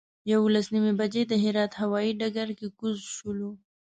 یولس نیمې بجې د هرات هوایي ډګر کې کوز شولو.